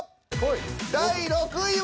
第６位は。